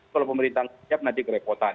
kalau pemerintah siap nanti kerepotan